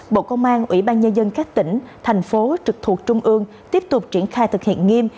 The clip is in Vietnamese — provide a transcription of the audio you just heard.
bộ công an ủy ban nhân dân các tỉnh thành phố trực thuộc trung ương tiếp tục triển khai thực hiện nghiêm